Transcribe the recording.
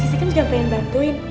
saya kan juga pengen bantuin